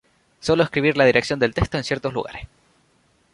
Solo escribir la dirección del texto en ciertos lugares